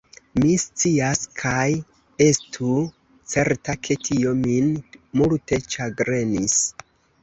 Mi scias: kaj estu certa, ke tio min multe ĉagrenis.